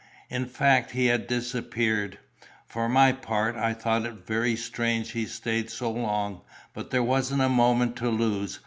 In fact, he had disappeared. For my part, I thought it very strange he stayed so long; but there wasn't a moment to lose.